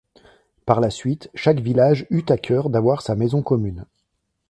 Par la suite, chaque village eut à cœur d’avoir sa maison commune.